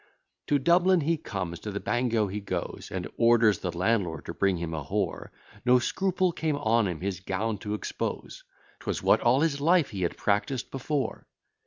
To Dublin he comes, to the bagnio he goes, And orders the landlord to bring him a whore; No scruple came on him his gown to expose, 'Twas what all his life he had practised before.